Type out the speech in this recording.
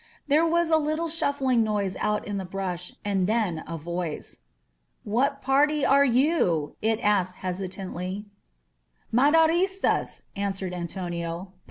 There was a little shuf fling noise out in the brush, and then a voice. *^What party are you?" it asked hesitantly. "Maderistas," answered Antonio.